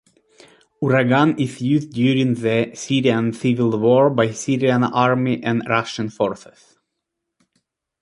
Uragan is used during the Syrian Civil War by Syrian Army and Russian forces.